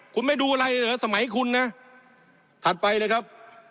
คุณไม่ดูอะไรเหรอสมัยคุณนะถัดไปเลยครับ